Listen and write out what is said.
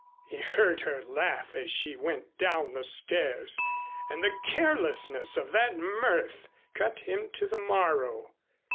He heard her laugh as she went down the stairs, and the carelessness of that mirth cut him to the marrow.